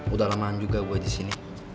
udah lama juga gua disini